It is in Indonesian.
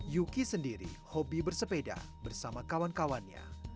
yuki sendiri hobi bersepeda bersama kawan kawannya